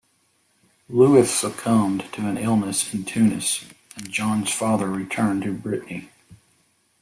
Louis succumbed to an illness in Tunis, and John's father returned to Brittany.